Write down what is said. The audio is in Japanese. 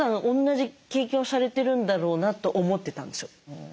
おんなじ経験をされてるんだろうなと思ってたんですよ。